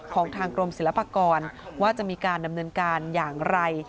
ของทางกรมศิลปากรว่าจะมีการดำเนินการอย่างไร